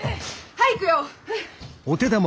はい行くよ！